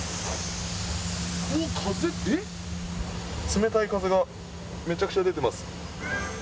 冷たい風がめちゃくちゃ出てます。